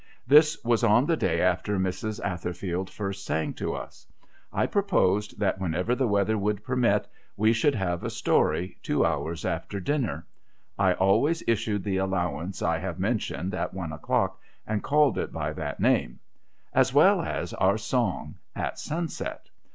This was on the day after Mrs. Atherfield first sang to us. I pro posed that, whenever the w^eather would permit, we should have a story two hours after dinner (I always issued the allowance I have mentioned at one o'clock, and called it by that name), as well as our song at sunset.